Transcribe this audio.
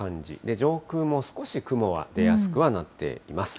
上空も少し雲は出やすくなっています。